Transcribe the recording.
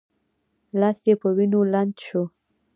لاس یې په وینو لند شو.